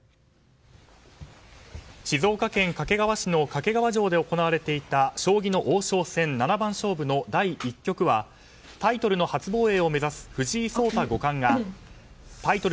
静岡県掛川市の掛川城で行われた将棋の王将戦七番勝負の第１局はタイトルの初防衛を目指す藤井聡太五冠がタイトル